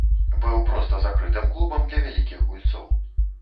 Быў проста закрытым клубам для вялікіх гульцоў.